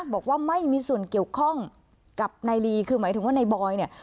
บอกว่าไม่มีส่วนเกี่ยวข้องกับนายลีคือหมายถึงว่านายบอยเนี่ย